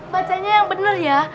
bacanya yang bener ya